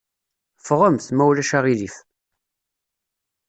Ffɣemt, ma ulac aɣilif.